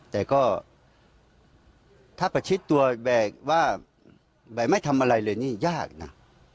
แต่ก็ถ้าประชิดตัวแบกว่าแบกไม่ทำอะไรเลยนี่ยากนะ